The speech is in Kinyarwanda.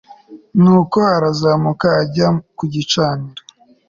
nuko arazamuka ajya ku gicaniro